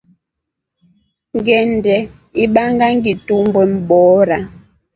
Ngindelye ibanga ngitumbwe mboora.